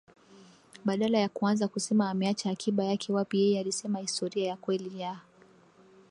Badala ya kuanza kusema ameacha akiba yake wapi yeye alisema historia ya kweli ya